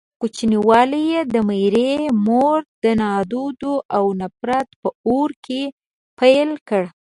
کوچنيوالی يې د ميرې مور د نادودو او نفرت په اور کې پيل کړ.